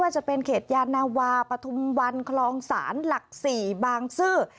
จะเป็นเขตยานาวาปฐุมวันคลองศาลหลัก๔บางซื่อ